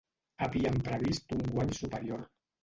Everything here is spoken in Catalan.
Havíem previst un guany superior.